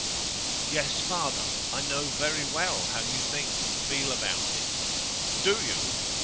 'Yes, father; I know very well how you think and feel about it.' 'Do you?